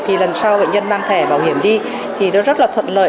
thì lần sau bệnh nhân mang thẻ bảo hiểm đi thì nó rất là thuận lợi